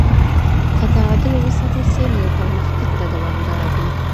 که تعادل وساتل سي نو پرمختګ به دوامداره وي.